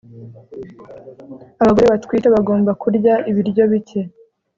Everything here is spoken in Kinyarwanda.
abagore batwite bagomba kurya ibiryo bike